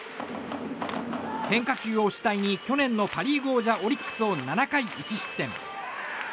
変化球を主体に去年のパ・リーグ王者オリックスを７回１失点。